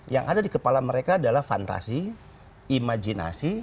yang ada di kepala mereka adalah fantasi imajinasi